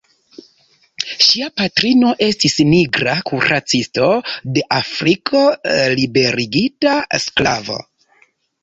Ŝia patrino estis nigra kuracisto de Afriko, liberigita sklavo.